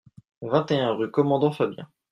vingt et un rue Commandant Fabien